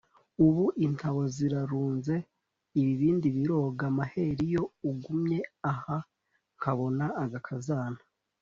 Ubu intabo zirarunzeIbibindi birogaMaheru iyo ugumye ahaNkabona agakazana